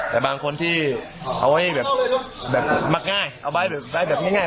แต่บางคนที่เอาไว้แบบมักง่ายเอาไว้แบบง่าย